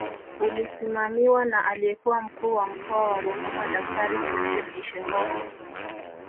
Ulisimamiwa na aliyekuwa Mkuu wa Mkoa wa Ruvuma Daktari Christine Ishengoma